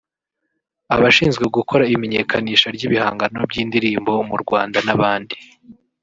abashinzwe gukora imenyekanisha ry’ibihangano by’indirimbo mu Rwanda n’abandi